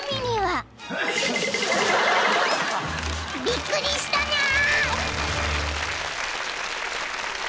［びっくりしたニャ！］